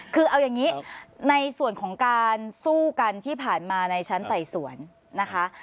คือเอาอย่างนี้ในส่วนของการสู้กันที่ผ่านมาในชั้นไต่สวนนะคะ